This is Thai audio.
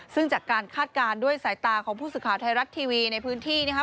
ซึ่งจากการคาดการณ์ด้วยสายตาของผู้สื่อข่าวไทยรัฐทีวีในพื้นที่นะคะ